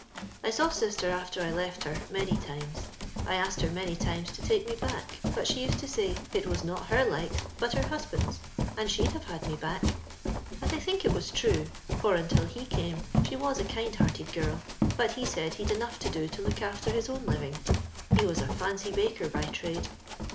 I saw sister after I left her, many times. I asked her many times to take me back, but she used to soy, * It was not her likes, but her husband's, or she'd have had me bock ;' and I think it was true, for imtU he come she was a kind hearted girl; but he said he'd enough to do to look fdfter his own living ; he was a foncy bnker by trade.